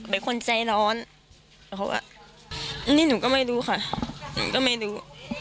เป็นคนใจร้อนแล้วเขาก็นี่หนูก็ไม่รู้ค่ะหนูก็ไม่รู้